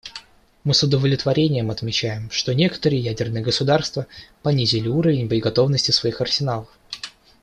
Мы с удовлетворением отмечаем, что некоторые ядерные государства понизили уровень боеготовности своих арсеналов.